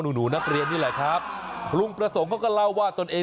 หูวววววววล่อ